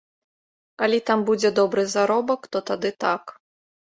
Калі там будзе добры заробак, то тады так.